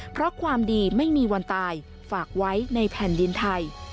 เพราะความดีไม่มีวันตายฝากไว้ในแผ่นดินไทย